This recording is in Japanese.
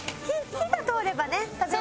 火が通ればね食べられるから。